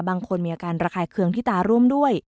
บางคนมีอาการระคายเคืองที่ตาร่วมด้วย